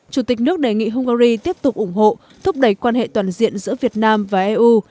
chủ tịch nước đề nghị hungary tiếp tục ủng hộ thúc đẩy quan hệ toàn diện giữa việt nam và eu